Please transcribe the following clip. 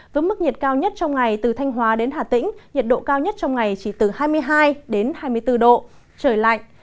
với mức nhiệt cao nhất trong ngày từ thanh hóa đến hà tĩnh nhiệt độ cao nhất trong ngày chỉ từ hai mươi hai đến hai mươi bốn độ trời lạnh